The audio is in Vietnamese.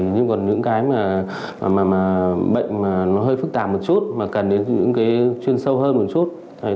nhưng còn những cái mà bệnh mà nó hơi phức tạp một chút mà cần đến những cái chuyên sâu hơn một chút